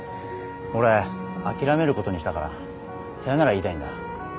俺諦めることにしたからさよなら言いたいんだ。